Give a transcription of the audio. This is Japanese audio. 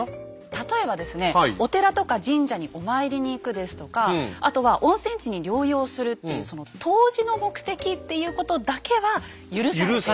例えばですねお寺とか神社にお参りに行くですとかあとは温泉地に療養するっていうその湯治の目的っていうことだけは許されていた。